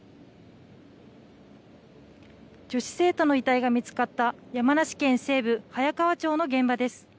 女子生徒の遺体が見つかった山梨県西部、早川町の現場です。